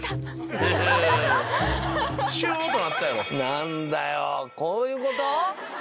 何だよこういうこと？